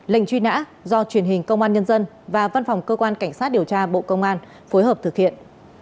lệnh truy nã do truyền hình công an nhân dân và văn phòng cơ quan cảnh sát điều tra bộ công an phối hợp thực hiện